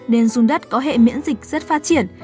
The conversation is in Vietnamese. nên dùng đất có hệ miễn dịch rất phát triển